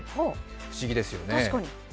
不思議ですよね。